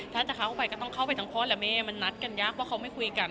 ถ้าจะเข้าไปก็ต้องเข้าไปทั้งพ่อและแม่มันนัดกันยากว่าเขาไม่คุยกัน